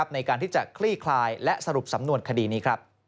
ในการที่จะคลี่คลายและสรุปสำนวนคดีนี้